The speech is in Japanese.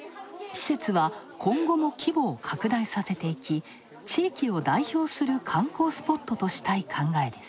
施設は今後も規模を拡大させていき、地域を代表する観光スポットとしたい考えです。